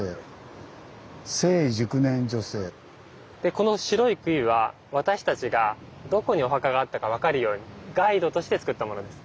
この白い杭は私たちがどこにお墓があったか分かるようにガイドとしてつくったものです。